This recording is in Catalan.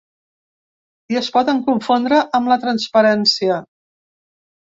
I es poden confondre amb la transparència !